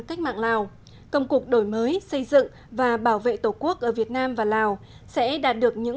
cách mạng lào công cuộc đổi mới xây dựng và bảo vệ tổ quốc ở việt nam và lào sẽ đạt được những